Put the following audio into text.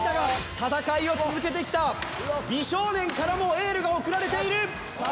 戦いを続けてきた美少年からもエールが送られている！